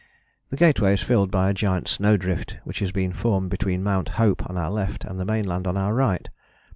The Gateway is filled by a giant snowdrift which has been formed between Mount Hope on our left and the mainland on our right.